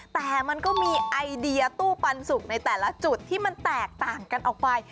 แต่มันก็มีไอเดียตู้ปันสุกในแต่ละจุดที่มันแตกต่างกันออกไป